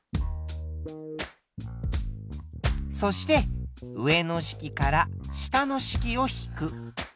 そして上の式から下の式を引く。